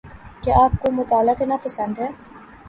کیا آپ کو مطالعہ کرنا پسند ہے